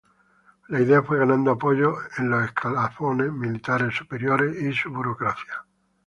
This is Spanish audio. La idea fue ganando apoyos en los escalafones militares superiores y su burocracia.